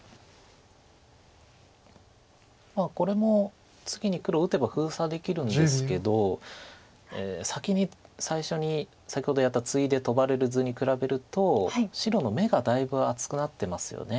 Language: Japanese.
これも次に黒打てば封鎖できるんですけど先に最初に先ほどやったツイでトバれる図に比べると白の眼がだいぶ厚くなってますよね